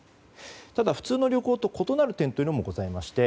ただ普通の旅行と異なる点もございまして